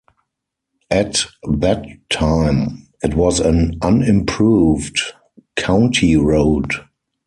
At that time, it was an unimproved county road.